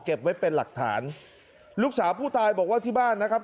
ไว้เป็นหลักฐานลูกสาวผู้ตายบอกว่าที่บ้านนะครับ